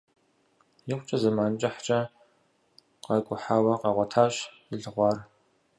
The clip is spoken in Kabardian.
Икъукӏэ зэмэн кӏыхькӏэ къакӏухьауэ къагъуэтащ зылъыхъуар.